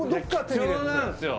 貴重なんですよ